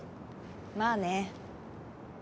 まあね。